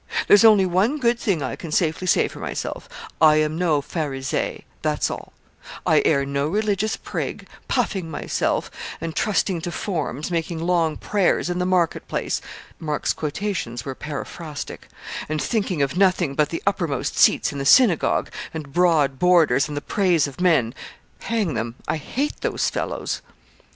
There's only one good thing I can safely say for myself I am no Pharisee; that's all; I air no religious prig, puffing myself, and trusting to forms, making long prayers in the market place' (Mark's quotations were paraphrastic), 'and thinking of nothing but the uppermost seats in the synagogue, and broad borders, and the praise of men hang them, I hate those fellows.'